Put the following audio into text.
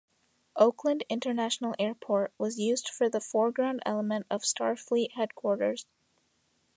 Oakland International Airport was used for the foreground element of Starfleet Headquarters.